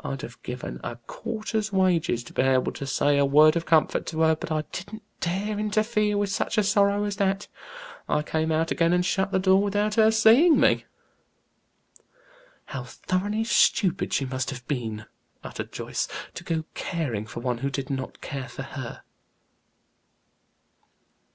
I'd have given a quarter's wages to be able to say a word of comfort to her; but I didn't dare interfere with such sorrow as that. I came out again and shut the door without her seeing me." "How thoroughly stupid she must have been!" uttered Joyce, "to go caring for one who did not care for her."